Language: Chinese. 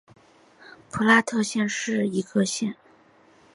普拉特县是美国内布拉斯加州东部的一个县。